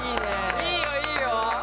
いいよいいよ。